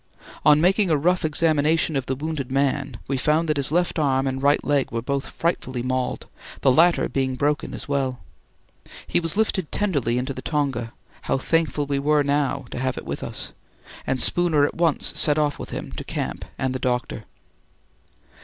On making a rough examination of the wounded man, we found that his left arm and right leg were both frightfully mauled, the latter being broken as well. He was lifted tenderly into the tonga how thankful we now were to have it with us! and Spooner at once set off with him to camp and the doctor.